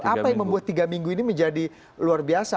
apa yang membuat tiga minggu ini menjadi luar biasa